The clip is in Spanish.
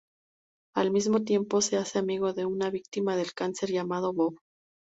Al mismo tiempo, se hace amigo de una víctima del cáncer llamada Bob.